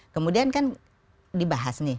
kemudian kan dibahas nih